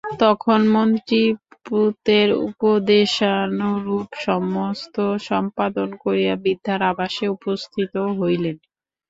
তখন মন্ত্রিপুত্রের উপদেশানুরূপ সমস্ত সম্পাদন করিয়া বৃদ্ধার আবাসে উপস্থিত হইলেন।